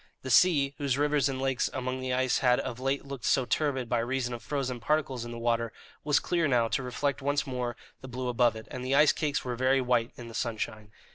The sea, whose rivers and lakes among the ice had of late looked so turbid by reason of frozen particles in the water, was clear now to reflect once more the blue above it, and the ice cakes were very white in the sunshine.